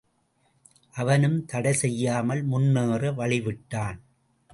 அவனும் தடை செய்யாமல் முன்னேற வழிவிட்டான்.